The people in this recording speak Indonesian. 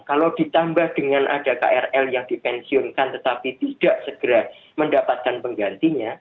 kalau ditambah dengan ada krl yang dipensiunkan tetapi tidak segera mendapatkan penggantinya